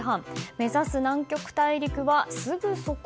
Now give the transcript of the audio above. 目指す南極大陸はすぐそこ。